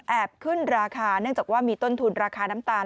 ขึ้นราคาเนื่องจากว่ามีต้นทุนราคาน้ำตาล